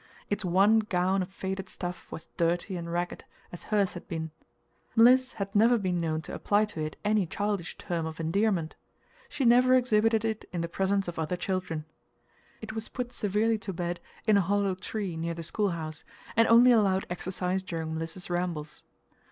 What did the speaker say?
Its one gown of faded stuff was dirty and ragged, as hers had been. Mliss had never been known to apply to it any childish term of endearment. She never exhibited it in the presence of other children. It was put severely to bed in a hollow tree near the schoolhouse, and only allowed exercise during Mliss's rambles.